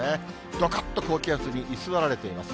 どかっと高気圧に居座られています。